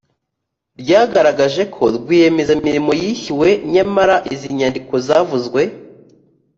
ryagaragaje ko rwiyemezamirimo yishyuwe nyamara izi nyandiko zavuzwe